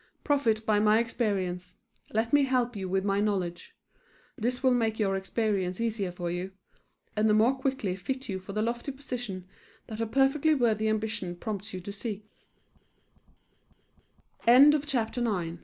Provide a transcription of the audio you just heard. Profit by my experience; let me help you with my knowledge. This will make your experience easier for you, and the more quickly fit you for the lofty position that a perfectly worthy ambition prompts you